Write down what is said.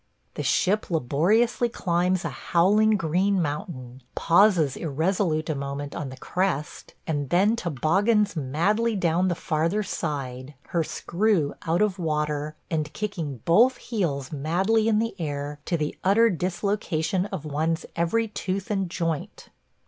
The ship laboriously climbs a howling green mountain, pauses irresolute a moment on the crest, and then toboggans madly down the farther side, her screw out of water, and kicking both heels madly in the air to the utter dislocation of one's every tooth and joint.